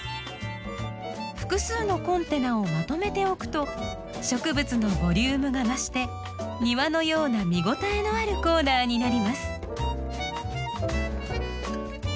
複数のコンテナをまとめて置くと植物のボリュームが増して庭のような見応えのあるコーナーになります。